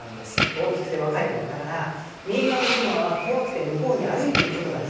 大きくて若いクマだから右側のクマは怖くて向こうに歩いていくことができない。